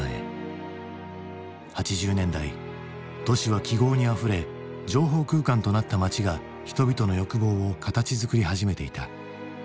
８０年代都市は記号にあふれ情報空間となった街が人々の欲望を形づくり始めていた。